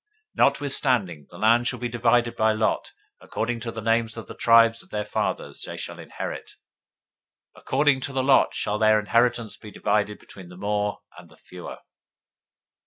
026:055 Notwithstanding, the land shall be divided by lot: according to the names of the tribes of their fathers they shall inherit. 026:056 According to the lot shall their inheritance be divided between the more and the fewer.